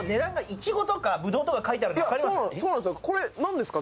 これ何ですか？